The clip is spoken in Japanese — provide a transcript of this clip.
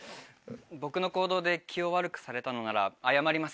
僕の行動で気を悪くされたのなら謝ります。